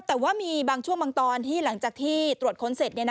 แต่ว่ามีบางช่วงบางตอนที่หลังจากที่ตรวจค้นเสร็จ